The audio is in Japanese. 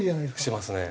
してますね。